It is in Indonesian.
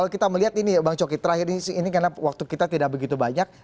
kalau kita melihat ini bang coki terakhir ini karena waktu kita tidak begitu banyak